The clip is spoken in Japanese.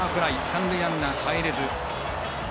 三塁ランナー、かえれず。